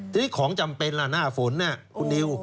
ทีนี้ของจำเป็นล่ะหน้าฝนคุณนิว